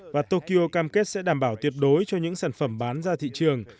và tokyo cam kết sẽ đảm bảo tuyệt đối cho những sản phẩm bán ra thị trường